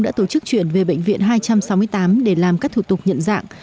đã tổ chức chuyển về bệnh viện hai trăm sáu mươi tám để làm các thủ tục nhận dạng